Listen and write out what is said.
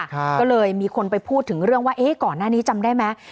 ก็เลยมีคนไปพูดถึงเรื่องว่าเอ๊ะก่อนหน้านี้จำได้ไหม